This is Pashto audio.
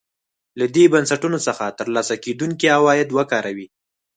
له دې بنسټونو څخه ترلاسه کېدونکي عواید وکاروي.